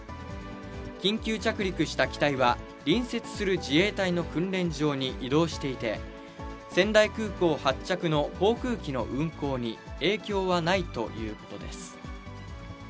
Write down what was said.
緊急着陸した機体は、隣接する自衛隊の訓練場に移動していて、仙台空港発着の航空機の運航に影響はないということです。